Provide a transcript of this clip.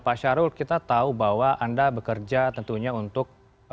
pak syarul kita tahu bahwa anda bekerja tentunya untuk